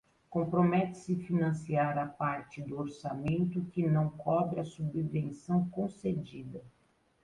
Compromete-se a financiar a parte do orçamento que não cobre a subvenção concedida.